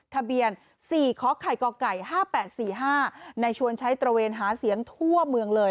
ทะเบียน๔คไข่กไก่๕๘๔๕ในชวนใช้ตระเวนหาเสียงทั่วเมืองเลย